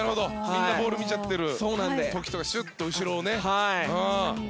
みんなボールを見ちゃってる時とかシュッと後ろをね。